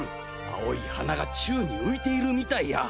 青い花が宙に浮いているみたいや。